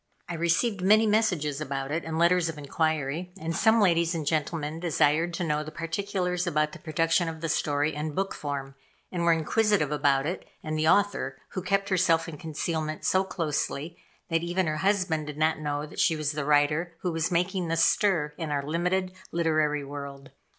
I received many messages about it, and letters of inquiry, and some ladies and gentlemen desired to know the particulars about the production of the story in book form; and were inquisitive about it and the author who kept herself in concealment so closely that even her husband did not know that she was the writer who was making this stir in our limited literary world.